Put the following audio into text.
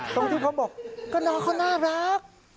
ตรงที่เขาบอกก็น้องเขาน่ารัก